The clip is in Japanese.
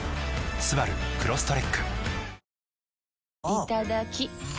いただきっ！